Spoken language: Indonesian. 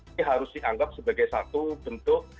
ini harus dianggap sebagai satu bentuk